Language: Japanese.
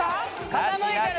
傾いてる。